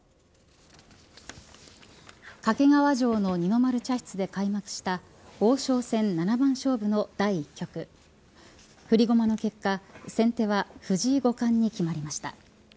掛川城の二の丸茶室で開幕した王将戦七番勝負の第一局振り駒の結果、先手は藤井五冠に決まりました。